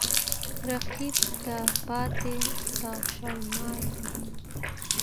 رقیب ته پاته ستا شالمار دی